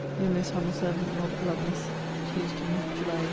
Your most humble servant, ROBERT LOVELACE. TUESDAY, JULY 18.